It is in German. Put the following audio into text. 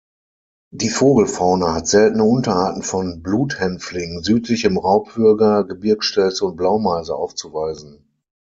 Die Vogelfauna hat seltene Unterarten von Bluthänfling, Südlichem Raubwürger, Gebirgsstelze und Blaumeise aufzuweisen.